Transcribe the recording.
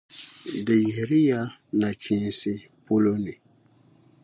Di yihiri ya nachinsi polo ni